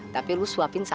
tapi lu suapin sepenuhnya